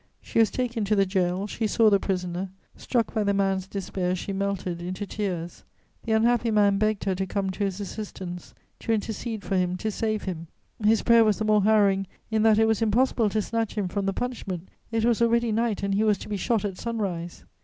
She was taken to the gaol; she saw the prisoner; struck by the man's despair, she melted into tears. The unhappy man begged her to come to his assistance, to intercede for him, to save him; his prayer was the more harrowing in that it was impossible to snatch him from the punishment. It was already night, and he was to be shot at sunrise.